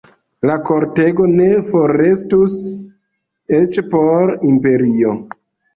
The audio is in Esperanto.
La kortego ne forrestus, eĉ por imperio.